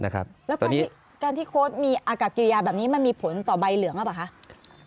แล้วการที่โค้ดมีอากาศกิริยาแบบนี้มันมีผลต่อใบเหลืองหรือเปล่าคะ